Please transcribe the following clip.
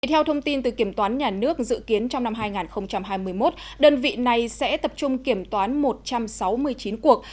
theo thông tin từ kiểm toán nhà nước dự kiến trong năm hai nghìn hai mươi một đơn vị này sẽ tập trung kiểm toán một trăm sáu mươi chín cuộc